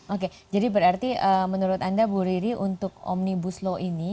oke jadi berarti menurut anda bu riri untuk omnibus law ini